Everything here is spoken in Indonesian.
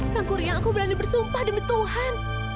sangkurnya aku berani bersumpah demi tuhan